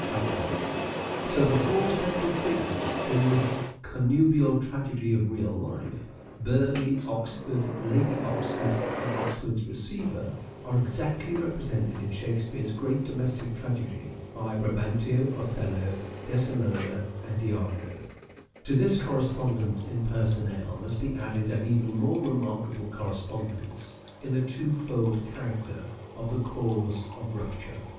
So the four central figures in this connubial tragedy of real life, Burleigh, Oxford, Lady Oxford, and Oxford's receiver, are exactly represented in Shakespeare's great domestic tragedy by Brabantio, Othello, Desdemona, and lago. Othello's To this correspondence in personnel must be added an even more remarkable correspondence in the two fold character of the cause of rupture.